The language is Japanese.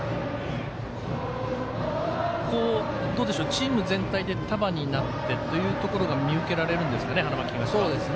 チーム全体で束になってというところが見受けられるんですかね、花巻東。